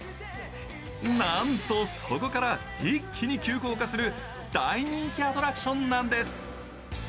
なんと、そこから一気に急降下する大人気アトラクションなんです。